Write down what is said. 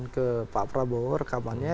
ke pak prabowo rekamannya